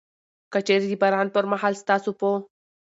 که چيري د باران پر مهال ستاسو په